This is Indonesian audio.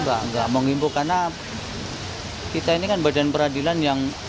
enggak enggak mau ngimbuk karena kita ini kan badan peradilan yang